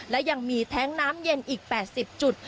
และยังมีแท้งน้ำเย็นอีก๘๐จุด